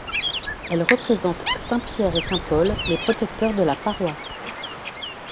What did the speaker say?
Elle représente saint Pierre et saint Paul, les protecteurs de la paroisse.